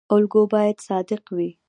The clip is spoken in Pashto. الګو باید صادق وي